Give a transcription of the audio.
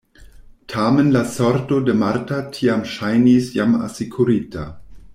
Tamen la sorto de Marta tiam ŝajnis jam asekurita.